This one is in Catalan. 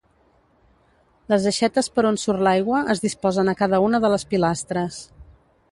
Les aixetes per on surt l'aigua es disposen a cada una de les pilastres.